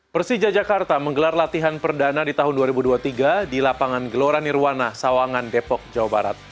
persija jakarta menggelar latihan perdana di tahun dua ribu dua puluh tiga di lapangan gelora nirwana sawangan depok jawa barat